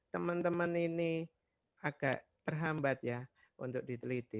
teman teman ini agak terhambat ya untuk diteliti